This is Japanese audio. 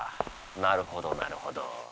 なるほどなるほど。